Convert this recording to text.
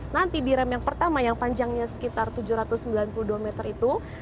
nanti di rem yang pertama yang panjangnya sekitar tujuh ratus sembilan puluh dua meter itu